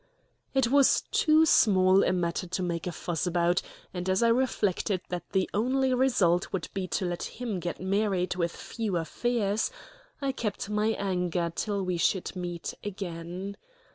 It was too small a matter to make a fuss about; and as I reflected that the only result would be to let him get married with fewer fears, I kept my anger till we should meet again.